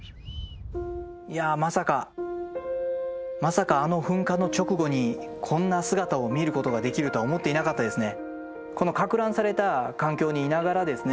いやまさかまさかあの噴火の直後にこんな姿を見ることができるとは思っていなかったですね。